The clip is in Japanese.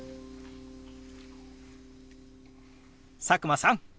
佐久間さん！